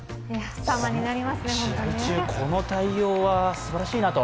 試合中この対応はすばらしいなと。